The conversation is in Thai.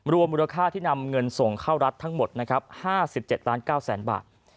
รวมมูลค่าที่นำเงินส่งเข้ารัฐทั้งหมดนะครับ๕๗ล้าน๙แสนบาท